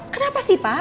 kenapa sih pak